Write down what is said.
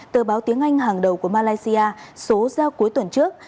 tờ báo tiếng anh hàng đầu của malaysia số giao cuối tuần trước